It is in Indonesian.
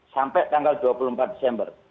sampai tanggal dua puluh empat desember